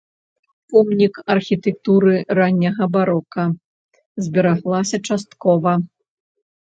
Помнік архітэктуры ранняга барока, збераглася часткова.